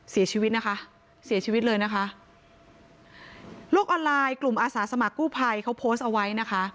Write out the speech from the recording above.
เสียชีวิตนะคะเสียชีวิตเลยนะคะโลกออนไลน์กลุ่มอาสาสมัครกู้ภัยเขาโพสต์เอาไว้นะคะ